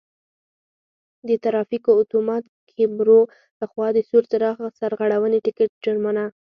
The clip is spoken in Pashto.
د ترافیکو آتومات کیمرو له خوا د سور څراغ سرغړونې ټکټ جرمانه: